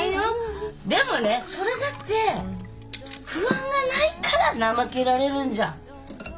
でもねそれだって不安がないから怠けられるんじゃん。